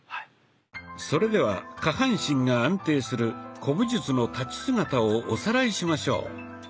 それでは下半身が安定する古武術の立ち姿をおさらいしましょう。